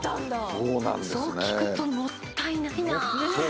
そう聞くともったいないなぁ。